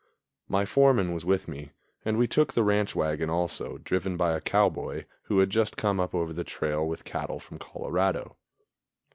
My foreman was with me, and we took the ranch wagon also, driven by a cowboy who had just come up over the trail with cattle from Colorado.